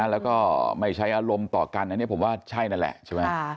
แล้วก็ไม่ใช้อารมณ์ต่อกันอันนี้ผมว่าใช่นั่นแหละใช่ไหม